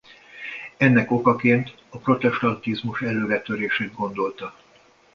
Ennek okaként a protestantizmus előretörését gondolta.